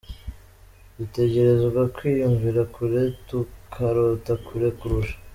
"Dutegerezwa kwiyumvira kure tukarota kure kurusha.